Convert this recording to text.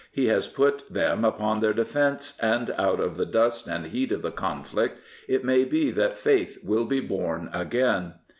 He has put them upon their defence, and out of the dust and heat of the conflict it may be that faith will be born again.